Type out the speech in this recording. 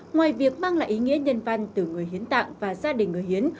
ngoài việc mang lại ý nghĩa nhân văn từ người hiến tạng và gia đình người hiến